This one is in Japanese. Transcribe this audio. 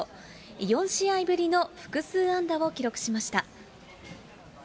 ４試合ぶりの複数安打を記録しました。